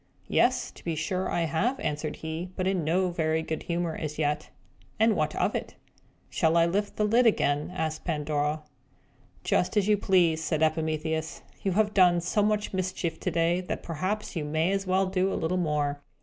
"Yes, to be sure I have," answered he, but in no very good humour as yet. "And what of it?" "Shall I lift the lid again?" asked Pandora. "Just as you please," said Epimetheus. "You have done so much mischief already, that perhaps you may as well do a little more.